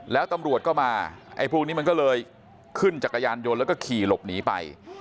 แล้วตำรวจก็มาไอ้พวกนี้มันก็เลยขึ้นจักรยานยนต์แล้วก็ขี่หลบหนีไป